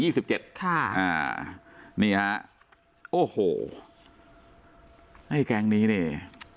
นี่ครับโอ้โหไอ้แกงนี้เนี่ย